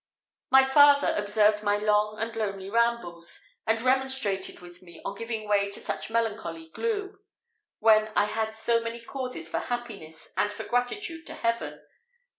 My father observed my long and lonely rambles; and remonstrated with me on giving way to such melancholy gloom, when I had so many causes for happiness and for gratitude to Heaven.